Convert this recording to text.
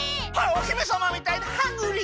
おひめさまみたいにハングリー。